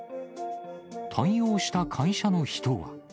対応した会社の人は。